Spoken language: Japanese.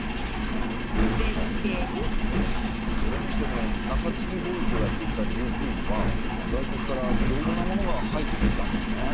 それにしても中継貿易をやっていた琉球には外国からいろいろなものが入ってきていたんですね。